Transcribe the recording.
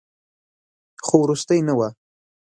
خو وروستۍ نه وه.